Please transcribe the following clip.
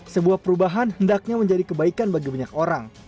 sebuah perubahan hendaknya menjadi kebaikan bagi banyak orang